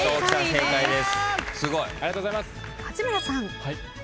正解です。